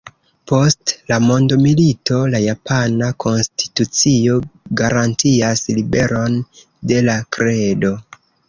Post la mondomilito la japana konstitucio garantias liberon de la kredo.